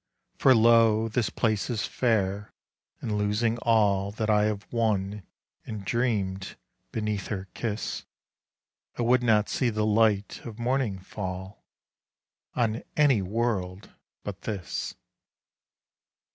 For lo ! this place is fair, and losing all That I have won and dreamed beneath her kiss, I would not see the light of morning fall On any world but this.